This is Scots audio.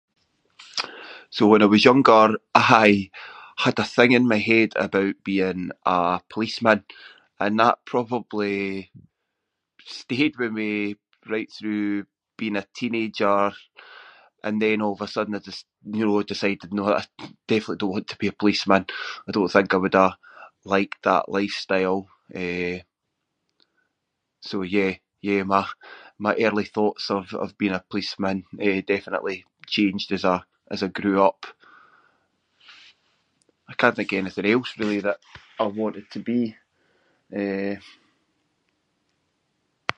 So when I was younger I had a thing in my head about being a policeman and that probably stayed with me right through being a teenager and then all of a sudden I just, you know, decided no that I d- definitely don’t want to be a policeman. I don’t think I would’ve like that lifestyle. Eh, so yeah- yeah, my- my early thoughts of- of being a policeman, eh, definitely changed as I- as I grew up. I can't think of anything else really that I wanted to be. Eh-